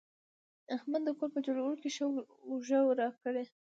احمد د کور په جوړولو کې ښه اوږه راکړه.